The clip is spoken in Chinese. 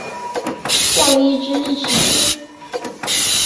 叫了一只一起吃